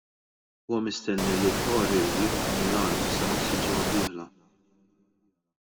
Huwa mistenni li Thohir jibqa' Milan sa nofs il-ġimgħa d-dieħla.